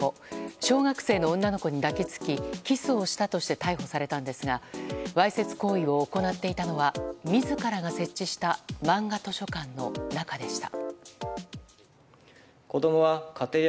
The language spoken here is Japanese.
小学生の女の子に抱き着きキスをしたとして逮捕されたんですがわいせつ行為を行っていたのは自らが設置したまんが図書館の中でした。